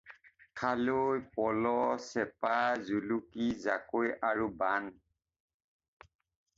খালৈ, পল, চেপা, জুলুকি, জাকৈ আৰু বান।